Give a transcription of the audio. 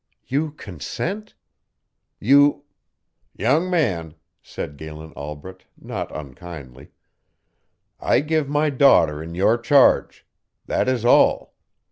"You consent? You " "Young man," said Galen Albret, not unkindly, "I give my daughter in your charge; that is all.